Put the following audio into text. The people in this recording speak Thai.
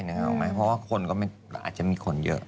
เพราะว่าคนก็อาจจะมีคนเยอะ